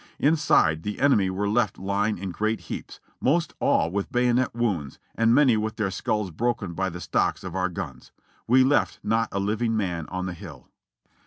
Inside, the enemy were left lying in great heaps, most all with bayonet wounds, and many with their skulls broken by the stocks of our guns. We left not a living man on the hill."